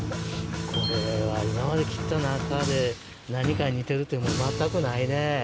これは今まで切った中で何かに似てるっていうもの全くないね。